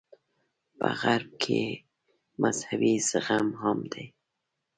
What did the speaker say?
په غرب کې مذهبي زغم عام دی.